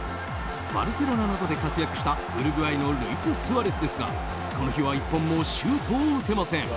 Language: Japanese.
バルセロナなどで活躍したウルグアイのルイス・スアレスですがこの日は１本もシュートを打てません。